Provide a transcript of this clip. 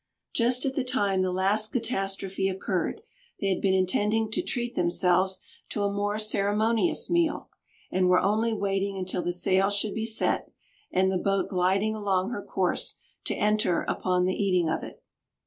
Just at the time the last catastrophe occurred they had been intending to treat themselves to a more ceremonious meal, and were only waiting until the sail should be set, and the boat gliding along her course, to enter upon the eating of it.